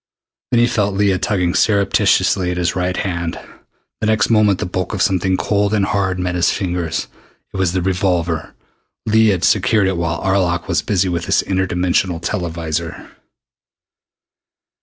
Then he felt Leah tugging surreptitiously at his right hand. The next moment the bulk of something cold and hard met his fingers. It was the revolver. Leah had secured it while Arlok was busy with his inter dimensional televisor.